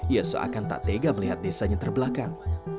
ia seakan tak tega melihat desanya terbelakang